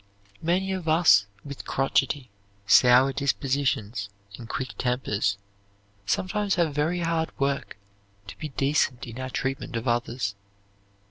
Many of us with crotchety, sour dispositions and quick tempers sometimes have very hard work to be decent in our treatment of others.